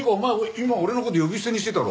今俺の事呼び捨てにしてたろ？